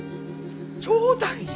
冗談や。